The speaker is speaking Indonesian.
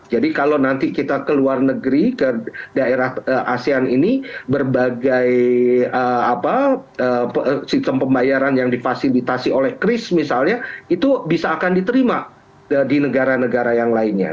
kalau nanti kita ke luar negeri ke daerah asean ini berbagai sistem pembayaran yang difasilitasi oleh kris misalnya itu bisa akan diterima di negara negara yang lainnya